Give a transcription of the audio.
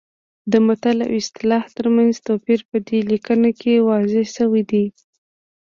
د متل او اصطلاح ترمنځ توپیر په دې لیکنه کې واضح شوی دی